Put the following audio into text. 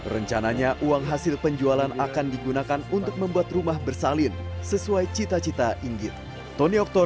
rencananya uang hasil penjualan akan digunakan untuk membuat rumah bersalin sesuai cita cita inggit